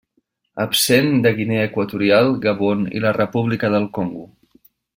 Absent de Guinea Equatorial, Gabon i la República del Congo.